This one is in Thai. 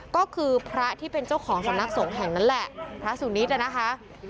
ก็คือพระที่เป็นเจ้าของสำนักสงฆ์แห่งนั้นแหละพระสุนิทนะคะ